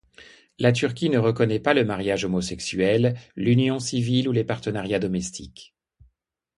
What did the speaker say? La Turquie ne reconnaît pas le mariage homosexuel, l'union civile ou les partenariats domestiques.